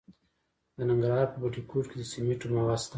د ننګرهار په بټي کوټ کې د سمنټو مواد شته.